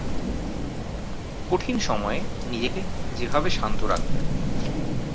কঠিন সময়ে নিজেকে যেভাবে শান্ত রাখবেন